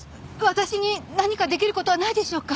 私に何か出来る事はないでしょうか？